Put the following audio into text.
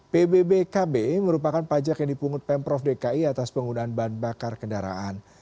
pbbkb merupakan pajak yang dipungut pemprov dki atas penggunaan bahan bakar kendaraan